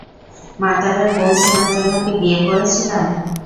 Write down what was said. মাতালের বউ শুনার জন্য কি বিয়ে করেছিলাম?